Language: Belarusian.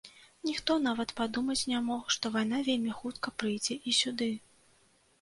Ніхто нават падумаць не мог, што вайна вельмі хутка прыйдзе і сюды.